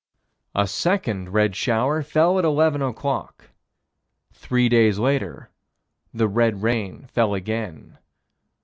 A second red shower fell at 11 o'clock. Three days later, the red rain fell again.